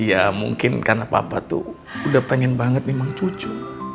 ya mungkin karena papa tuh udah pengen banget memang cucu